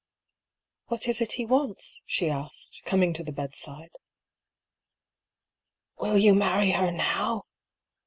"What is it he wants?" she asked, coming to the bedside. "Will you marry her now?"